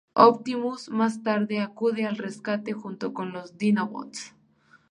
Optimus más tarde acude al rescate junto con los Dinobots.